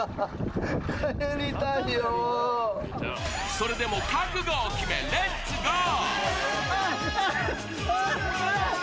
それでも覚悟を決めレッツゴー！